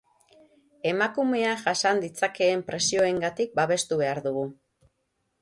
Emakumea jasan ditzakeen presioengatik babestu behar dugu.